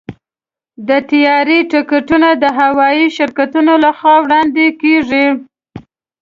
د طیارې ټکټونه د هوايي شرکتونو لخوا وړاندې کېږي.